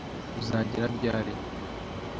Uzagera ryari